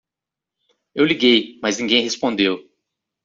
Eu liguei, mas ninguém respondeu.